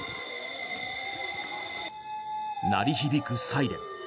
鳴り響くサイレン。